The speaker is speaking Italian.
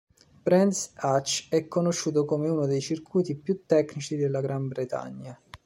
Brands Hatch è conosciuto come uno dei circuiti più tecnici della Gran Bretagna.